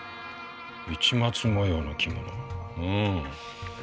市松模様の着物。